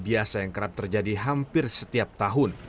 biasa yang kerap terjadi hampir setiap tahun